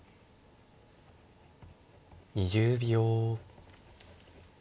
２０秒。